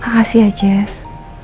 makasih ya jess